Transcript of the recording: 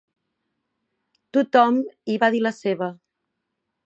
Tot-hom hi va dir la seva